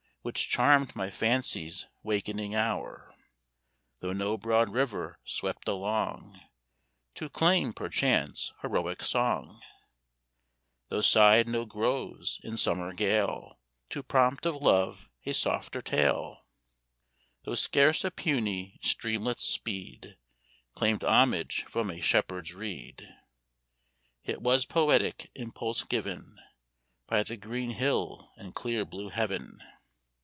Which charmed my fancy's wakening hour, Though no broad river swept along To claim perchance heroic song; Though sighed no groves in summer gale To prompt of love a softer tale; Though scarce a puny streamlet's speed Claimed homage from a shepherd's reed; Yet was poetic impulse given, By the green hill and clear blue heaven.